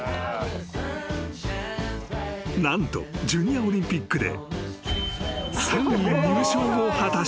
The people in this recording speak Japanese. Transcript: ［何とジュニアオリンピックで］